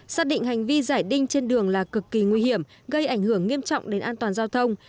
xác định hành vi giải đinh trên đường là cực kỳ nguy hiểm gây ảnh hưởng nghiêm trọng đến an toàn giao thông